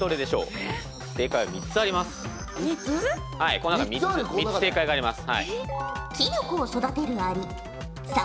この中で３つ正解があります。